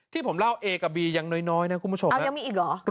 ที่ผมเล่าเอกับบียังน้อยนะคุณผู้ชมยังมีอีกเหรอ